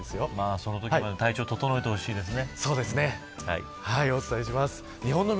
そのときまで体調を整えてほしいですね。